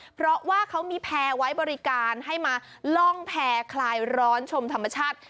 เพราะว่าเขามีแพร่ไว้บริการให้มาล่องแพร่คลายร้อนชมธรรมชาติ